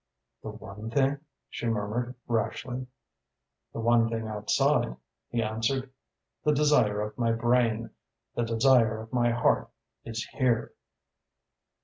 "The one thing?" she murmured rashly. "The one thing outside," he answered, "the desire of my brain. The desire of my heart is here."